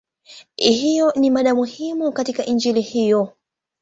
Hiyo ni mada muhimu katika Injili hiyo.